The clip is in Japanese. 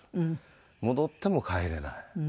戻っても帰れない。